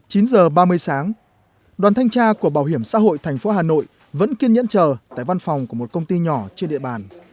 chín giờ ba mươi sáng đoàn thanh tra của bảo hiểm xã hội thành phố hà nội vẫn kiên nhẫn chờ tại văn phòng của một công ty nhỏ trên địa bàn